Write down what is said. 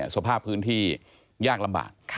สภาพพื้นที่ยากลำบาก